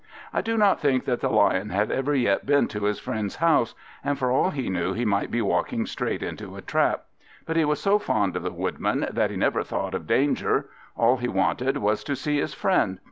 I do not think that the Lion had ever yet been to his friend's house; and for all he knew he might be walking straight into a trap. But he was so fond of the Woodman that he never thought of danger. All he wanted was to see his friend.